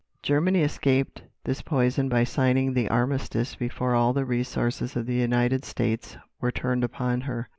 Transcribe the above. "Germany escaped this poison by signing the armistice before all the resources of the United States were turned upon her.